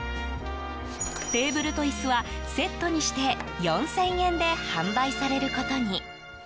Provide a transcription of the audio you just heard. テーブルと椅子はセットにして４０００円で販売されることに。